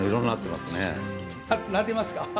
なっていますか？